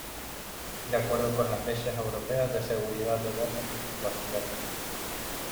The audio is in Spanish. De acuerdo con las leyes europeas de seguridad de datos y privacidad.